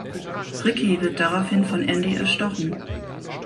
Ricky wird daraufhin von Andy erstochen.